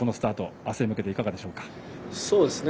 あすへ向けて、いかがでしょうか。